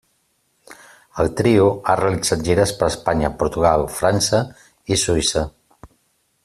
El trio ha realitzat gires per Espanya, Portugal, França i Suïssa.